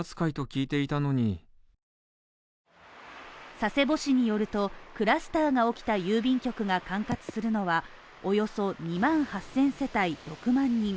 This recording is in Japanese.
佐世保市によると、クラスターが起きた郵便局が管轄するのはおよそ２万８０００世帯６万人。